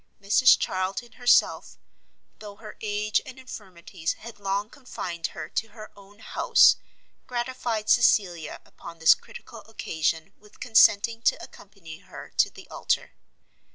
Mrs Charlton herself, though her age and infirmities had long confined her to her own house, gratified Cecilia upon this critical occasion with consenting to accompany her to the altar.